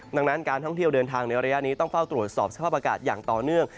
ดังนั้นการท่องเที่ยวเดินทางในระยะนี้ต้องเฝ้าตรวจสอบสภาพอากาศอย่างต่อเนื่อง